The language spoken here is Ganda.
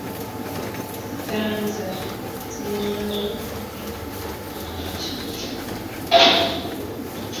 Sitanza esembayo erina bubaka ki?